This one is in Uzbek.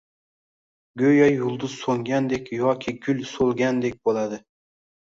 go‘yo yulduz so‘ngandek yoki gul so‘lgandek bo‘ladi.